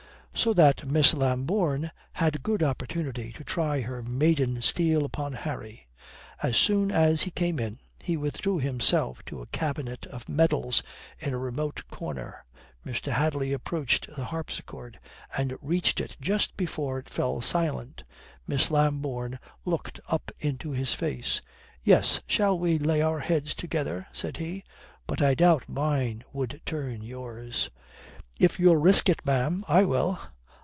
So that Miss Lambourne had good opportunity to try her maiden steel upon Harry. As soon as he came in, he withdrew himself to a cabinet of medals in a remote corner. Mr. Hadley approached the harpsichord and reached it just before it fell silent. Miss Lambourne looked up into his face. "Yes, shall we lay our heads together?" said he. "But I doubt mine would turn yours." "If you'll risk it, ma'am, I will."